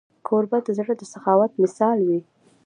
کوربه د زړه د سخاوت مثال وي.